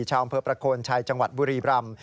ชาวอำเภอประโคนชัยจังหวัดบุรีรำ